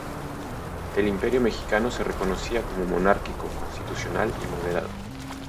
El imperio mexicano se reconocía como monárquico constitucional y moderado.